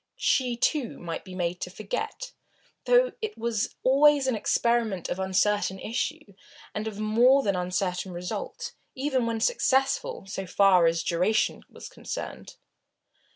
She, too, might be made to forget, though it was always an experiment of uncertain issue and of more than uncertain result, even when successful, so far as duration was concerned.